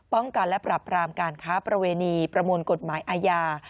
ป้องกันและปรับรามการค้าประเวณีประมวลกฎหมายอาญา